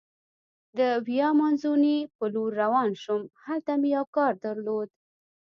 د ویا مانزوني په لورې روان شوم، هلته مې یو کار درلود.